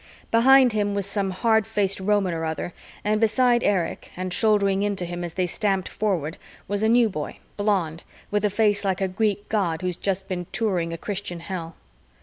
Behind him was some hard faced Roman or other, and beside Erich and shouldering into him as they stamped forward was a new boy, blond, with a face like a Greek god who's just been touring a Christian hell.